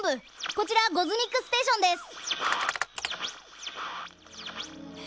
こちらゴズミックステーションです。